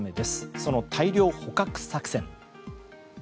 その大量捕獲作戦。